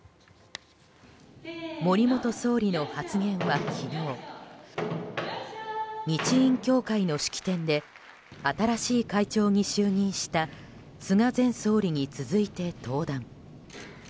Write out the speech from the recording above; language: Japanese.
森元総理の発言は、昨日日印協会の式典で新しい会長に就任した菅前総理に続いて登壇。